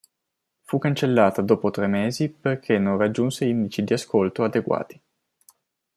Fu cancellata dopo tre mesi perché non raggiunse indici di ascolti adeguati.